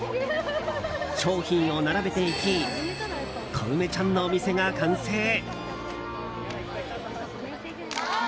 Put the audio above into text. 商品を並べていきこうめちゃんのお店が完成。